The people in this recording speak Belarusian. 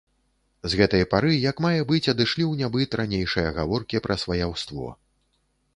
З гэтай пары як мае быць адышлі ў нябыт ранейшыя гаворкі пра сваяўство.